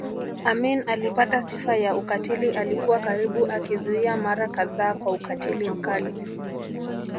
Amin alipata sifa ya ukatili alikuwa karibu akizuia mara kadhaa kwa ukatili mkali